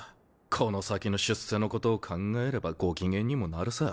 この先の出世のことを考えればご機嫌にもなるさ。